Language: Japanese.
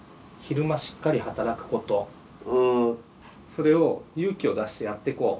それを勇気を出してやっていこう。